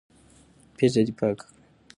پېزه دي پاکه کړه.